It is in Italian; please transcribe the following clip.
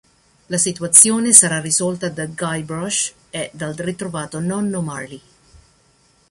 La situazione sarà risolta da Guybrush e dal ritrovato Nonno Marley.